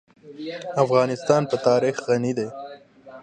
افغانستان په تاریخ غني دی.